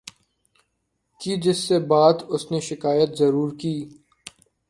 کی جس سے بات اسنے شکایت ضرور کی